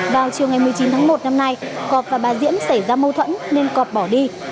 vào chiều ngày một mươi chín tháng một năm nay cọp và bà diễm xảy ra mâu thuẫn nên cọp bỏ đi